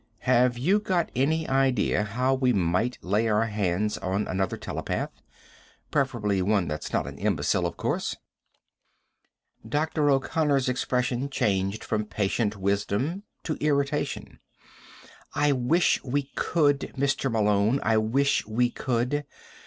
"Have you got any idea how we might lay our hands on another telepath? Preferably one that's not an imbecile, of course." Dr. O Connor's expression changed from patient wisdom to irritation. "I wish we could, Mr. Malone. I wish we could.